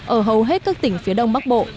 ở hầu hết các tỉnh phía đông bắc bộ